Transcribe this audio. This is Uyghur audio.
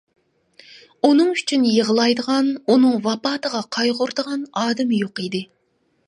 ئۇنىڭ ئۈچۈن يىغلايدىغان، ئۇنىڭ ۋاپاتىغا قايغۇرىدىغان ئادىمى يوق ئىدى.